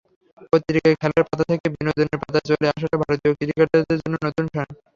পত্রিকায় খেলার পাতা থেকে বিনোদনের পাতায় চলে আসাটা ভারতীয় ক্রিকেটারদের জন্য নতুন নয়।